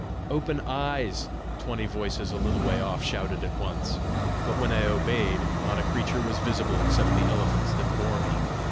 "Open eyes!" twenty voices a little way off shouted at once; but when I obeyed, not a creature was visible except the elephants that bore me.